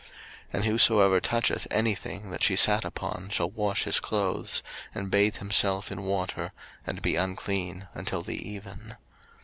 03:015:022 And whosoever toucheth any thing that she sat upon shall wash his clothes, and bathe himself in water, and be unclean until the even.